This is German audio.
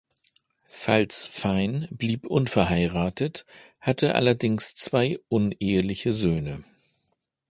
Falz-Fein blieb unverheiratet, hatte allerdings zwei uneheliche Söhne.